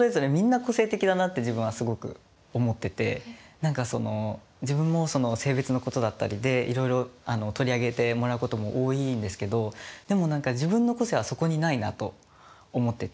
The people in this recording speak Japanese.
何か何か自分も性別のことだったりでいろいろ取り上げてもらうことも多いんですけどでも何か自分の個性はそこにないなと思ってて。